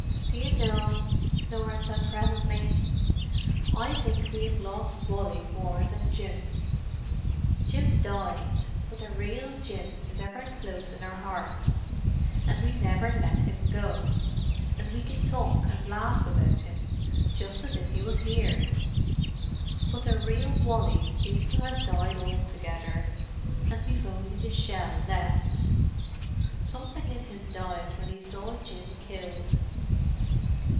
"Do you know," Norah said presently, "I think we have lost Wally more than Jim. Jim died, but the real Jim is ever close in our hearts, and we never let him go, and we can talk and laugh about him, just as if he was here. But the real Wally seems to have died altogether, and we've only the shell left. Something in him died when he saw Jim killed.